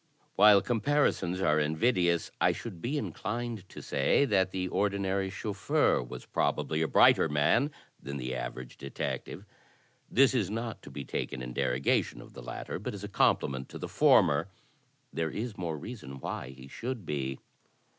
While comparisons are invidi ous, I should be inclined to say that the ordinary chauffeur was probably a brighter man than the average detective. 68 THE TECHNIQUE OF THE MYSTERY STORY This IS not to be taken in derogation of the latter, but as a compliment to the former. There is more reason why he should be.